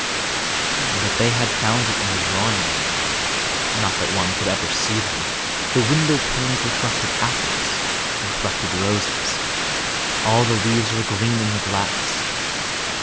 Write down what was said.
But they had found it in the drawing room. Not that one could ever see them. The window panes reflected apples, reflected roses; all the leaves were green in the glass.